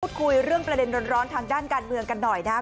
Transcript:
คุยเรื่องประเด็นร้อนทางด้านการเมืองกันหน่อยนะครับ